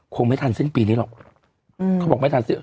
คงไม่ทันเซ็นทร์ปีนี้หรอกเค้าบอกไม่ทัน